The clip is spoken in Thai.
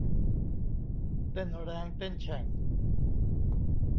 เต้นแร้งเต้นแฉ่ง